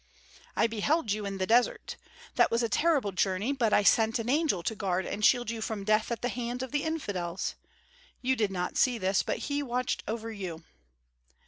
"I beheld you in the desert. That was a terrible journey but I sent an angel to guard and shield you from death at the hands of the infidels. You did not see this, but he watched over you."